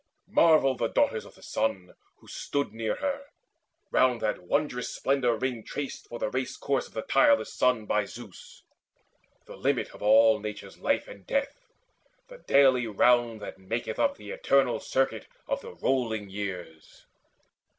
Marvelled the Daughters of the Sun, who stood Near her, around that wondrous splendour ring Traced for the race course of the tireless sun By Zeus, the limit of all Nature's life And death, the dally round that maketh up The eternal circuit of the rolling years.